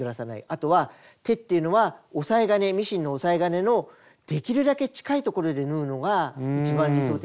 あとは手っていうのは押さえ金ミシンの押さえ金のできるだけ近いところで縫うのが一番理想的です。